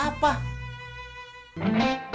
apa pada liatin buah lo